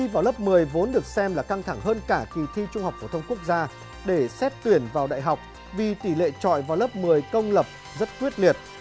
thi vào lớp một mươi vốn được xem là căng thẳng hơn cả kỳ thi trung học phổ thông quốc gia để xét tuyển vào đại học vì tỷ lệ trọi vào lớp một mươi công lập rất quyết liệt